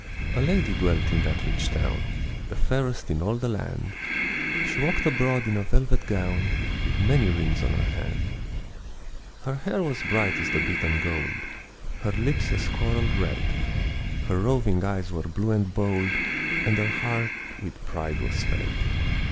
A lady dwelt in that rich town, The fairest in all the land; She walked abroad in a velvet gown, With many rings on her hand. Her hair was bright as the beaten gold, Her lips as coral red, Her roving eyes were blue and bold, And her heart with pride was fed.